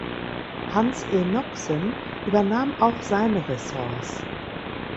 Hans Enoksen übernahm auch seine Ressorts.